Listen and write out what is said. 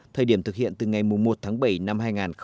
thời điểm thực hiện từ ngày một tháng bảy năm hai nghìn một mươi bảy